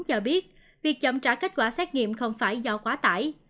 cho biết việc chậm trả kết quả xét nghiệm không phải do quá tải